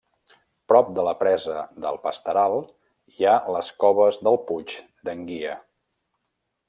Prop de la presa del Pasteral hi ha les coves del Puig d'en Guia.